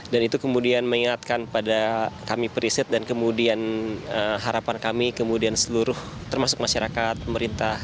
dan itu kemudian mengingatkan pada kami perisit dan kemudian harapan kami kemudian seluruh termasuk masyarakat pemerintah